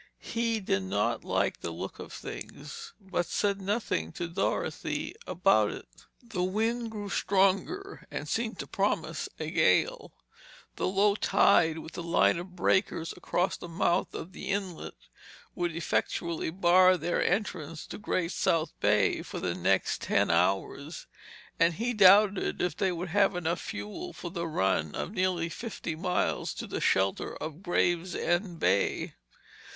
He did not like the look of things, but said nothing to Dorothy about it. The wind grew stronger and seemed to promise a gale. The low tide with the line of breakers across the mouth of the inlet would effectually bar their entrance to Great South Bay for the next ten hours. And he doubted if they would have enough fuel for the run of nearly fifty miles to the shelter of Gravesend Bay.